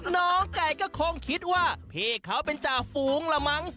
น้องไก่ก็คงคิดว่าพี่เขาเป็นจ่าฝูงละมั้ง